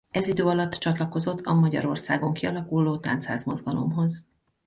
Ez idő alatt csatlakozott a Magyarországon kialakuló táncház mozgalomhoz.